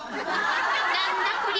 何だこりゃ。